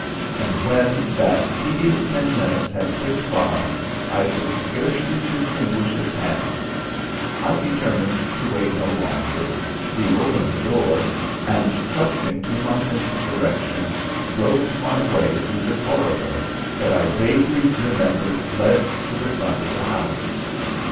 And when that tedious ten minutes had ticked by I could scarcely distinguish its hands. I determined to wait no longer, drew open the door, and, trusting to my sense of direction, groped my way through the corridor that I vaguely remembered led to the front of the house.